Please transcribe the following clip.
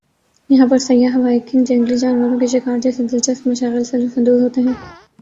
یہاں پر سیاح ہائیکنگ جنگلی جانوروں کے شکار جیسے دلچسپ مشاغل سے لطف اندوز ہو تے ہیں ۔